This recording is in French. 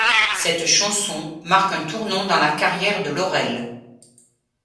Cette chanson marque un tournant dans la carriére de Laurel.